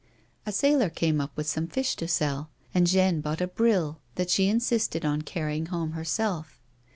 21 A sailor came up with some fish to sell, and Jeanne bought a brill that she insisted on carrying home herself.